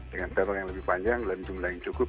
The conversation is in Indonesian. dengan cabang yang lebih panjang dan jumlah yang cukup